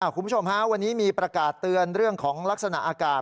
คุณผู้ชมฮะวันนี้มีประกาศเตือนเรื่องของลักษณะอากาศ